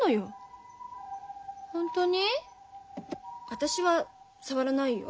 私は障らないよ。